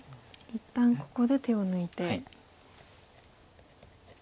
一旦ここで手を抜いて。